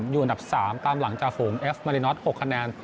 อยู่อันดับ๓ตามหลังจากฝูงเอฟมารินอท๖คะแนน